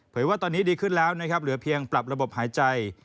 ว่าตอนนี้ดีขึ้นแล้วนะครับเหลือเพียงปรับระบบหายใจ